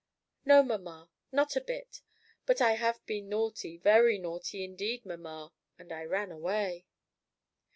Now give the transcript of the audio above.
"No, mamma, not a bit. But I have been naughty very naughty indeed, mamma; and I ran away."